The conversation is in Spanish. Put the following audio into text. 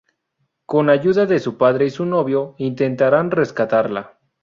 Con ayuda de su padre y su novio intentarán rescatarla.